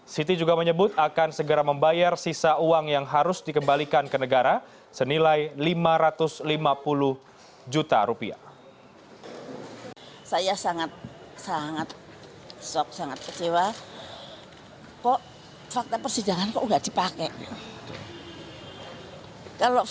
siti juga menyebut akan segera membayar sisa uang yang harus dikembalikan ke negara senilai lima ratus lima puluh juta rupiah